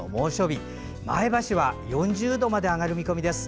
日前橋は４０度まで上がる見込みです。